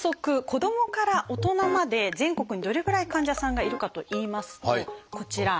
子どもから大人まで全国にどれぐらい患者さんがいるかといいますとこちら。